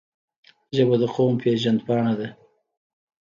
ژبه د قوم پېژند پاڼه ده